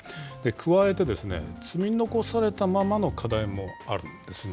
加えて、積み残されたままの課題もあるんですね。